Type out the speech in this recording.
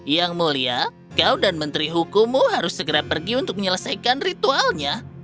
yang mulia kau dan menteri hukummu harus segera pergi untuk menyelesaikan ritualnya